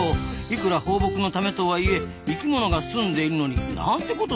いくら放牧のためとはいえ生きものが住んでいるのになんてことするんですか！